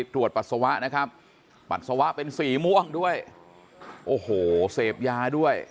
ตรวจปัสสาวะนะครับปัสสาวะเป็นสีม่วงด้วยโอ้โหเสพยาด้วย